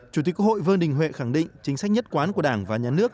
chủ tịch quốc hội vương đình huệ khẳng định chính sách nhất quán của đảng và nhà nước